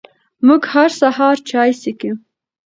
موږ هر سهار چای څښي🥃